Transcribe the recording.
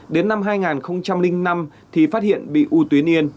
đến năm hai nghìn năm thì phát hiện bị u tuyến yên